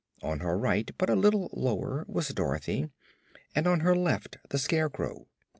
On her right, but a little lower, was Dorothy, and on her left the Scarecrow.